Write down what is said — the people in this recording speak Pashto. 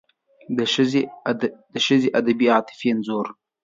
د ښځې ادبي او عاطفي انځور